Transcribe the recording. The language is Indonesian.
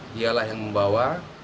dia yang membawa